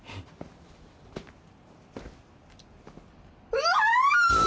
うわ！